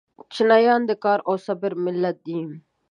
چینایان د کار او صبر ملت دی.